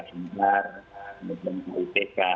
kemudian pembar ipk